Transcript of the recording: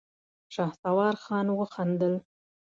شهسوار خان وخندل.